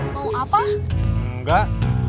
tunggu apa enggak